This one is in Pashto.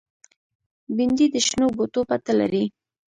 بېنډۍ د شنو بوټو پته لري